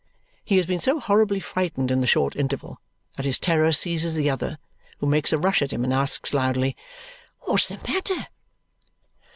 He has been so horribly frightened in the short interval that his terror seizes the other, who makes a rush at him and asks loudly, "What's the matter?"